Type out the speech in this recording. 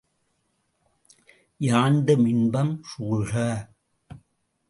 யாண்டும் இன்பம் சூழ்க!